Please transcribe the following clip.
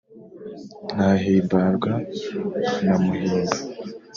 Nahimbarwa nkanamuhimba